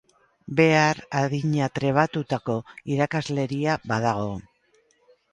Behar adina trebatutako irakasleria badago.